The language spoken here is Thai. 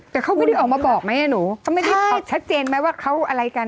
แต่เขาไม่ได้ออกมาบอกไหมหนูเขาไม่ได้ชัดเจนไหมว่าเขาอะไรกัน